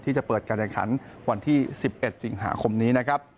ที่จะเปิดการกันขันวันที่๑๑สิงหาคมนี้